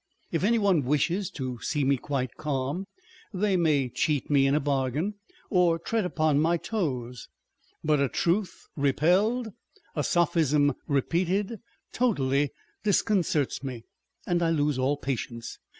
If any one wishes to see me quite calm, they may cheat me in a bargain, or tread upon my toes ; but a truth repelled, a sophism repeated, totally dis concerts me, and I lose all patience.